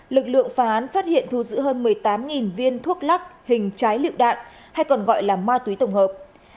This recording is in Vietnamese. lực lượng phá án phát hiện thu giữ hơn một mươi tám viên thuốc lắc hình trái lựu đạn hay còn gọi là ma túy tổng hợp